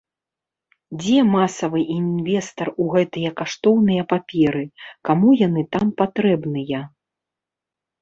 Дзе масавы інвестар у гэтыя каштоўныя паперы, каму яны там патрэбныя?